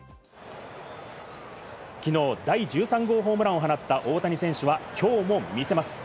きのう第１３号ホームランを放った大谷選手はきょうも魅せます。